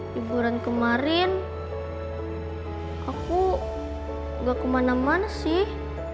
liburan kemarin aku gak kemana mana sih